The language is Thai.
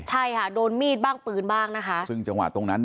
ใช่ค่ะโดนมีดบ้างบีนบ้าง